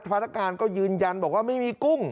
พนักงานก็ยืนยันบอกว่าไม่มีกุ้ง